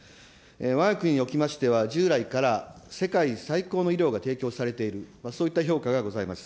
わが国におきましては、従来から世界最高の医療が提供されている、そういった評価がございます。